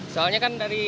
soalnya kan dari